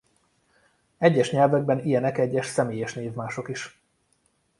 Egyes nyelvekben ilyenek egyes személyes névmások is.